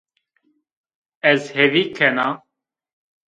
Ez hêvî kena